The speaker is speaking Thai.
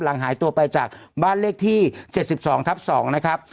หายตัวไปจากบ้านเลขที่๗๒ทับ๒นะครับ